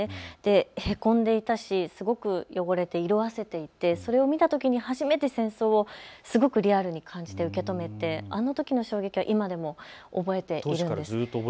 へこんでいたし、すごく汚れて色あせていて、それを見たときに初めて戦争をすごくリアルに感じて受け止めて、あのときの衝撃は今でも覚えています。